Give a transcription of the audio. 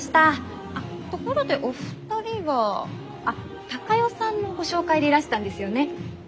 あっところでお二人はあっ孝代さんのご紹介でいらしたんですよね。